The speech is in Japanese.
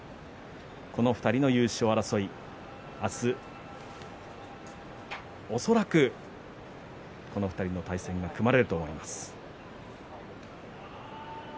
この２人の優勝争い、明日恐らくこの２人の対戦が組まれると思います。